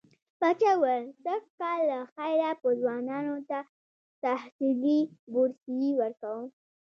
پاچا وويل سږ کال له خيره به ځوانانو ته تحصيلي بورسيې ورکړم.